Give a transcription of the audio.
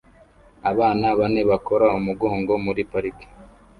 Abana bane bakora umugongo muri parike